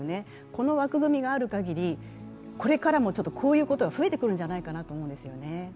この枠組みがある限り、これからもこういうことが増えてくるんじゃないかと思いますね。